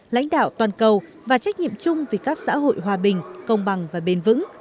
lãnh đạo toàn cầu và trách nhiệm chung vì các xã hội hòa bình công bằng và bền vững